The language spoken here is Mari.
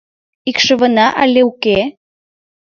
Икшывына але уке.